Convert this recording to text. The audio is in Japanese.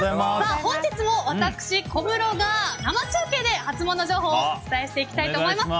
本日も私、小室が生中継でハツモノ情報をお伝えしていきたいと思います。